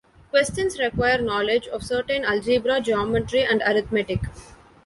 Questions require knowledge of certain algebra, geometry, and arithmetic.